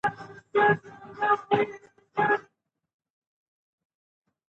افغانستان د طبیعي زېرمونو په برخه کې بډای دی.